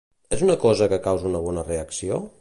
És una cosa que causa una bona reacció?